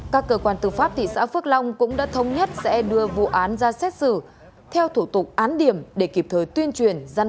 các cơ quan tư pháp thị xã phước long cũng đã thống nhất sẽ đưa vụ án ra xét xử theo thủ tục án điểm để kịp thời tuyên truyền